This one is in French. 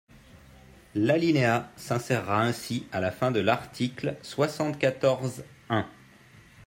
L’alinéa s’insérera ainsi à la fin de l’article soixante-quatorze-un.